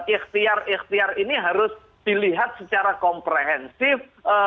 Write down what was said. ikhtiar ikhtiar ini harus dilihat secara komprehensif